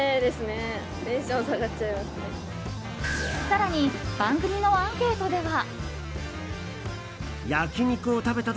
更に、番組のアンケートでは。